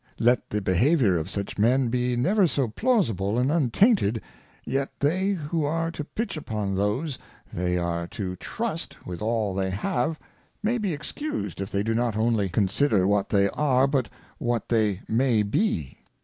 Let the behaviour of such Men be never so plausible and untainted, yet they who are to pitch upon those they are to trust with all they have, may be excused, if they do not only consider what they are but what they may be.